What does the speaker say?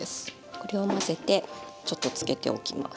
これを混ぜてちょっと漬けておきます。